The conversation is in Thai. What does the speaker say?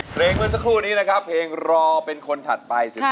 เมื่อสักครู่นี้นะครับเพลงรอเป็นคนถัดไป